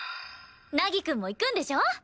凪くんも行くんでしょ？